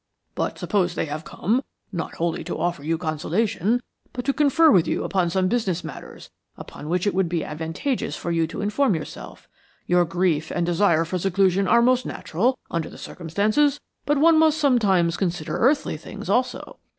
"But suppose they have come, not wholly to offer you consolation, but to confer with you upon some business matters upon which it would be advantageous for you to inform yourself? Your grief and desire for seclusion are most natural, under the circumstances, but one must sometimes consider earthly things also."